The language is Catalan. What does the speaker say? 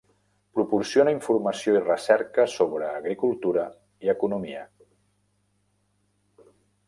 Proporciona informació i recerca sobre agricultura i economia.